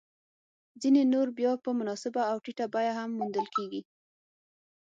ځیني نور بیا په مناسبه او ټیټه بیه هم موندل کېږي